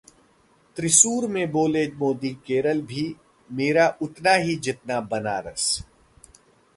त्रिसूर में बोले मोदी- केरल भी मेरा उतना ही जितना बनारस